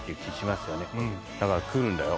だから来るんだよ？